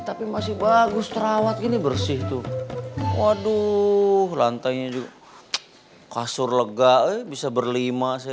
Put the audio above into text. tapi masih bagus terawat gini bersih tuh waduh lantainya juga kasur lega bisa berlima saya